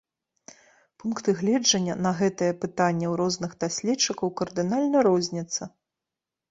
Пункты гледжання на гэтае пытанне ў розных даследчыкаў кардынальна розняцца.